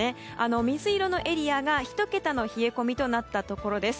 水色のエリアが１桁の冷え込みとなったところです。